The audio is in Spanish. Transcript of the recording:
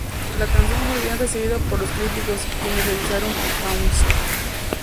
La canción fue bien recibida por los críticos, quienes revisaron Funhouse.